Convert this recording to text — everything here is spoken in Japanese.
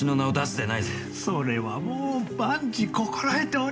それはもう万事心得ております。